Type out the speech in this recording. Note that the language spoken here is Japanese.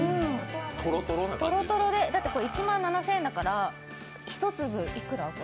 とろとろで、だって１万７０００円だから１粒いくら？